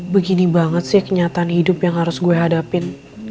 begini banget sih kenyataan hidup yang harus gue hadapin